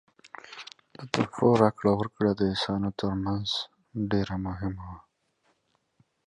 Gifts were an important exchange between Christians.